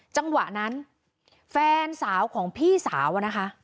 จังหวะนั้นแฟนสาวของพี่สาวอะนะคะ